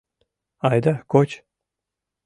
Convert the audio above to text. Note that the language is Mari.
Айда, коч.